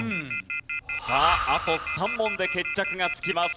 さああと３問で決着がつきます。